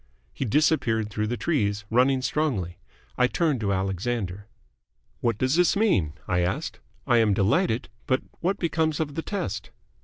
He disappeared through the trees, running strongly. I turned to Alexander. "What does this mean?" I asked. "I am delighted, but what becomes of the test?"